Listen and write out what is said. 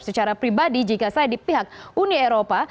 secara pribadi jika saya di pihak uni eropa